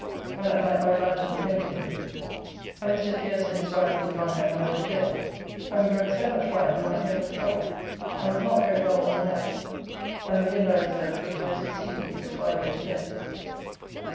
] and at night by lanthorn home again, and Mr. Pierce and his wife being gone home I went to bed, having drunk so much wine that my head was troubled and was not very well all night, and the wind I observed was rose exceedingly before I went to bed.